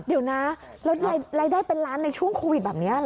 เดี๋ยวนะแล้วรายได้เป็นล้านในช่วงโควิดแบบนี้เหรอ